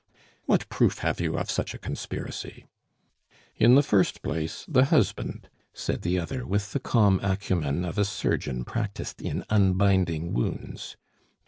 "What proof have you of such a conspiracy?" "In the first place, the husband!" said the other, with the calm acumen of a surgeon practised in unbinding wounds.